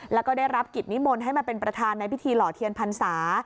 แล้วก็ได้รับกิจนิมนต์ให้มาเป็นประธานในพิธีหล่อเทียนพรรษา